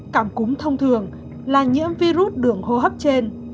cảm cúm thông thường là nhiễm virus đường hô hấp trên